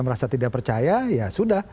merasa tidak percaya ya sudah